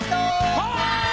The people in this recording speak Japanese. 「はい！」